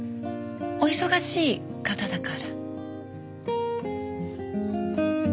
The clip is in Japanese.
お忙しい方だから。